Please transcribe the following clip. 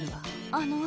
あの。